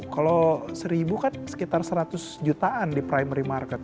kalau seribu kan sekitar seratus jutaan di primary market